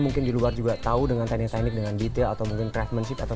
mungkin di luar juga tahu dengan teknik teknik dengan detail atau mungkin treatmentship atau